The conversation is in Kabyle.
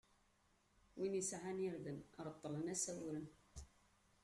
Win isɛan irden, reṭṭlen-as awren.